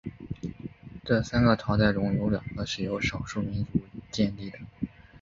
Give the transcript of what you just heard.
这三个朝代中有两个是由少数民族建立的。